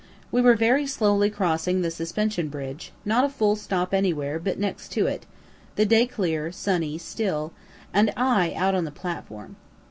We were very slowly crossing the Suspension bridge not a full stop anywhere, but next to it the day clear, sunny, still and I out on the platform.